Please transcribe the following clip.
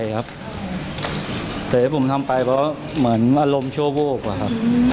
แต่ที่ผมทำไปเหมือนอะไรของชั่วโภคอะครับ